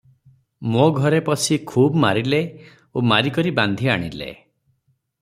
ମୋ ଘରେ ପଶି ଖୁବ୍ ମାରିଲେ ଓ ମାରି କରି ବାନ୍ଧି ଆଣିଲେ ।